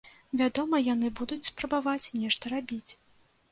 Вядома, яны будуць спрабаваць нешта рабіць.